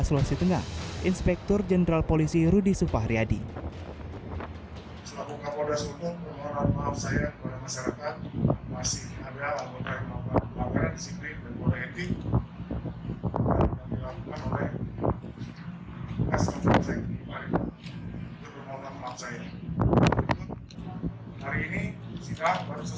selosih tengah inspektur jenderal polisi rudi supahriadi selaku kapolda sumpuh mengorbankan